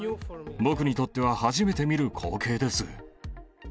僕にとっては初めて見る光景です。